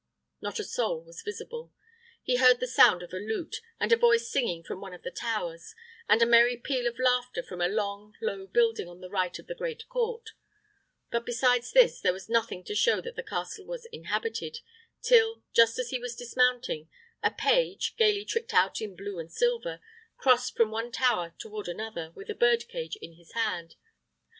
Not a soul was visible. He heard the sound of a lute, and a voice singing from one of the towers, and a merry peal of laughter from a long, low building on the right of the great court; but besides this there was nothing to show that the castle was inhabited, till, just as he was dismounting, a page, gayly tricked out in blue and silver, crossed from one tower toward another, with a bird cage in his hand.